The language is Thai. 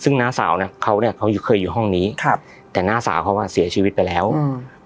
ซึ่งน้าสาวเนี้ยเขาเนี้ยเขาเคยอยู่ห้องนี้ครับแต่น้าสาวเขาอ่ะเสียชีวิตไปแล้วอืม